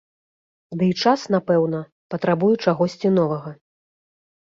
Дый час, напэўна, патрабуе чагосьці новага.